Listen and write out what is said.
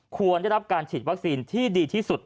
ควรได้รับการฉีดวัคซีนที่ดีที่สุด